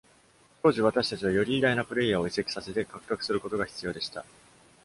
当時、私たちは、より偉大なプレイヤーを移籍させて獲得することが必要でした。